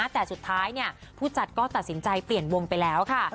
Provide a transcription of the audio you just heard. แต่สุดท้ายผู้จัดก็ตัดสินใจเปลี่ยนวงไปแล้วค่ะ